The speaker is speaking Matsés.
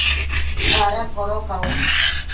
¿ ada codocau?